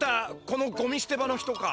このゴミすて場の人か？